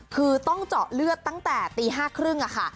คือต้องเจาะเลือดตั้งแต่ตี๕๓๐ค่ะ